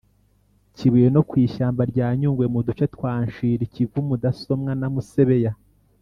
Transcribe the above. kibuye no ku ishyamba rya nyungwe mu duce twa nshiri, kivu, mudasomwa na musebeya